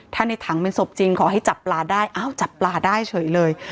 ถ้าในถังเป็นศพจริงขอให้จับปลาได้อ้าวจับปลาได้เฉยเลย